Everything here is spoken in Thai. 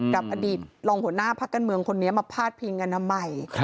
กับอดีตรองหัวหน้าพักการเมืองคนนี้มาพาดพิงกันทำไม